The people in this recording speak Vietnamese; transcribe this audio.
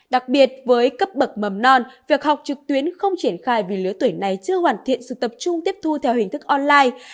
đặc biệt với cấp bậc mầm non việc học trực tuyến không triển khai vì lứa tuổi này chưa hoàn thiện sự tập trung tiếp thu theo hình thức online